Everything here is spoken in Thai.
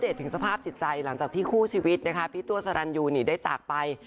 ถึงสภาพจิตใจหลังจากที่คู่ชีวิตนะคะพี่ตัวสรรยูนี่ได้จากไป